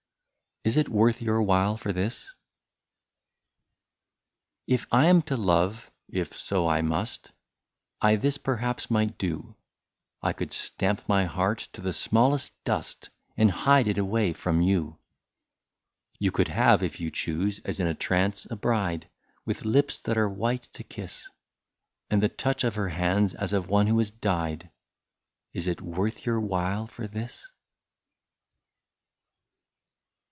15 IS IT WORTH YOUR WHILE FOR THIS ?" If I am to love— if so I must — I this perhaps might do, — I could stamp my heart to the smallest dust, And hide it away from you !'^ You could have, if you chose, as in trance a bride. With lips that are white to kiss, And the touch of her hands as of one who has died — Is it worth your while for this